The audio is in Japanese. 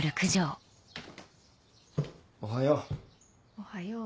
おはよう。